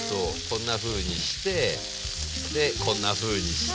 こんなふうにしてでこんなふうにして。